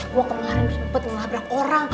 gue kemarin sempet ngelabrak orang